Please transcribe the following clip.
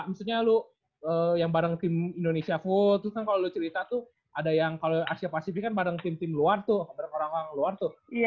maksudnya lo yang bareng tim indonesia food terus kan kalau lo cerita tuh ada yang kalau asia pasifik kan bareng tim tim luar tuh bareng orang luar tuh